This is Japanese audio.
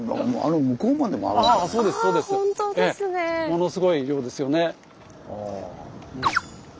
ものすごい量ですよね。